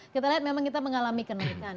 kita lihat memang kita mengalami kenaikan